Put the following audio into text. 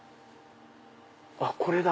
あっこれだ。